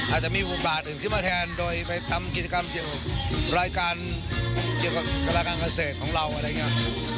อาจจะมีบุบาทอื่นขึ้นมาแทนโดยไปทำกิจกรรมรายการเกษตรของเราอะไรอย่างนี้